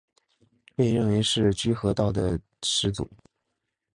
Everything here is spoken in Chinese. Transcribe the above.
被认为是居合道的始祖。